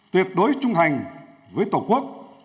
tuyệt đối trung thành với tổ quốc